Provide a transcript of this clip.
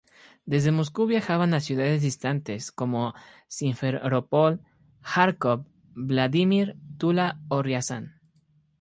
Desde Moscú viajaban a ciudades distantes, como Simferopol, Járkov, Vladímir, Tula o Riazán.